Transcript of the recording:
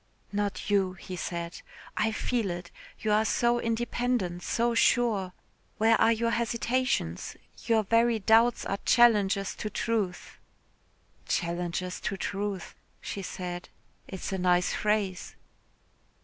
"Not you," he said. "I feel it. You are so independent, so sure. Where are your hesitations? Your very doubts are challenges to truth." "Challenges to truth," she said. "It is a nice phrase."